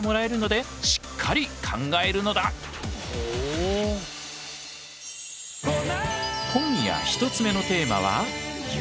今夜１つ目のテーマは雪。